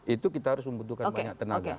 itu kita harus membutuhkan banyak tenaga